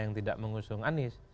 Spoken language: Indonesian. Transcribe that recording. yang tidak mengusung anies